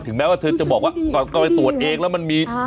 แม้ว่าเธอจะบอกว่าก็ไปตรวจเองแล้วมันมี